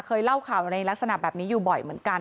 เคยเล่าข่าวในลักษณะแบบนี้อยู่บ่อยเหมือนกัน